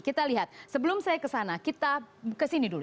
kita lihat sebelum saya ke sana kita ke sini dulu